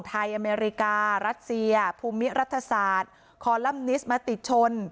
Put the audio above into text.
อเมริการัสเซียภูมิรัฐศาสตร์คอลัมนิสมาติชน